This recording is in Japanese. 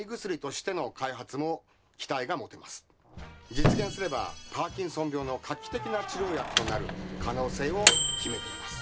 実現すればパーキンソン病の画期的な治療薬となる可能性を秘めています。